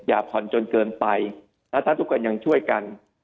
ผ่อนจนเกินไปและถ้าทุกคนยังช่วยกัน